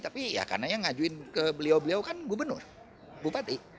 tapi ya karena yang ngajuin ke beliau beliau kan gubernur bupati